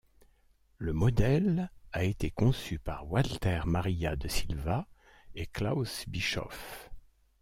Le modèle a été conçu par Walter Maria de Silva et Klaus Bischoff.